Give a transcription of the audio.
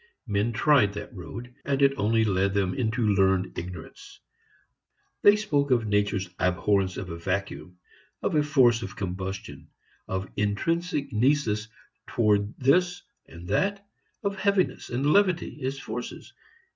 Men tried that road, and it only led them into learned ignorance. They spoke of nature's abhorrence of a vacuum; of a force of combustion; of intrinsic nisus toward this and that; of heaviness and levity as forces.